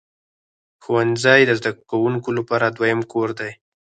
ښوونځی د زده کوونکو لپاره دویم کور دی.